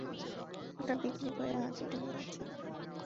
ওটা বিক্রি করে হাতিটা কিনেছি।